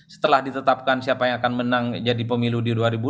setelah ditetapkan siapa yang akan menang jadi pemilu di dua ribu dua puluh